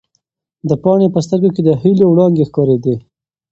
د پاڼې په سترګو کې د هیلو وړانګې ښکارېدې.